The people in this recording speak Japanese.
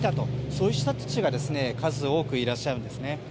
そうした人たちが数多くいらっしゃるんです。